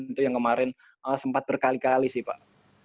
itu yang kemarin sempat berkali kali sih pak